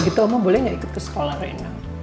gitu omong boleh gak ikut ke sekolah reina